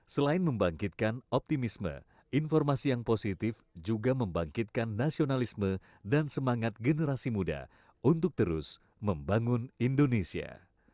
selain membangkitkan optimisme informasi yang positif juga membangkitkan nasionalisme dan semangat generasi muda untuk terus membangun indonesia